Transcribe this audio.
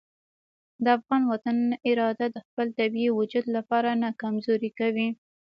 د افغان وطن اراده د خپل طبیعي وجود لپاره نه کمزورې کوي.